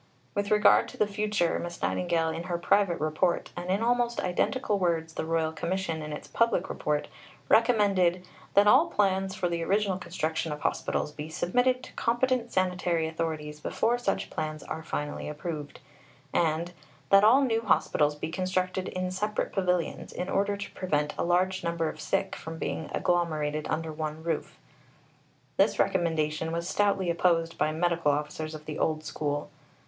With regard to the future, Miss Nightingale in her private Report, and in almost identical words the Royal Commission in its public Report, recommended "that all plans for the original construction of Hospitals be submitted to competent sanitary authorities before such plans are finally approved," and "that all new Hospitals be constructed in separate pavilions, in order to prevent a large number of sick from being agglomerated under one roof." This recommendation was stoutly opposed by medical officers of the old school.